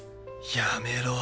やめろ